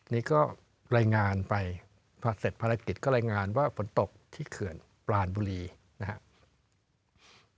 นี่ก็รายงานไปพอเสร็จภารกิจก็รายงานว่าฝนตกที่เขื่อนปลานบุรีนะครับ